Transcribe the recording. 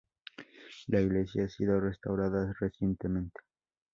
La iglesia ha sido restaurada recientemente.